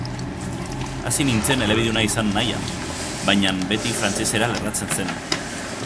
Hasi nintzen elebiduna izan nahian, bainan beti frantsesera lerratzen zen.